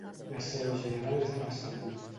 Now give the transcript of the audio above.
La seu general és a Barcelona.